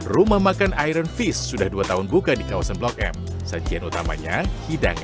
rumah makan iron fish sudah dua tahun buka di kawasan blok m sajian utamanya hidangan